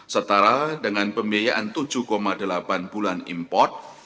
setara dengan pembiayaan tujuh delapan bulan import